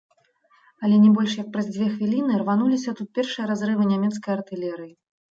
Але не больш як праз дзве хвіліны рвануліся тут першыя разрывы нямецкай артылерыі.